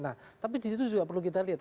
nah tapi disitu juga perlu kita lihat